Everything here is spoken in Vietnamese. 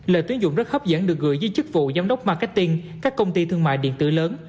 lợi tuyến dụng rất hấp dẫn được gửi dưới chức vụ giám đốc marketing các công ty thương mại điện tử lớn